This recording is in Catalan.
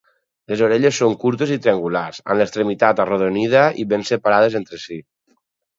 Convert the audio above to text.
Les orelles són curtes i triangulars, amb l'extremitat arrodonida i ben separades entre si.